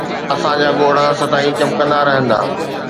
اسان جا ڳوڙها سدائين چمڪندا رهندا